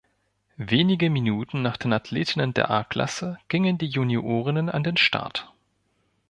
Wenige Minuten nach den Athletinnen der A-Klasse gingen die Juniorinnen an den Start.